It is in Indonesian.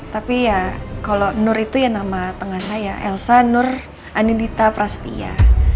tapi ya kalau nur itu ya nama tengah saya elsa nur anindita prastia